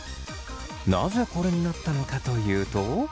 なぜこれになったのかというと。